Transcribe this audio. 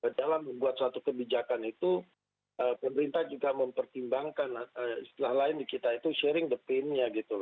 dalam membuat satu kebijakan itu pemerintah juga mempertimbangkan setelah lain di kita itu sharing the paint nya gitu